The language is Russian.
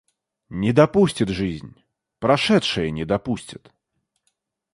Не допустит жизнь, прошедшее не допустит.